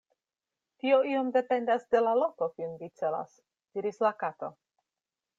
"Tio iom dependas de la loko kiun vi celas," diris la Kato.